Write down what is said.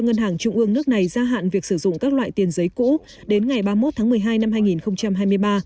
ngân hàng trung ương nước này gia hạn việc sử dụng các loại tiền giấy cũ đến ngày ba mươi một tháng một mươi hai năm